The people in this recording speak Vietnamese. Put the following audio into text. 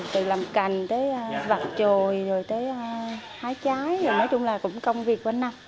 từ làm cành tới vặt trồi rồi tới hái trái nói chung là cũng công việc qua năm